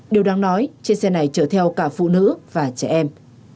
điều đáng nói trên xe này chở theo cả phụ nữ và trẻ em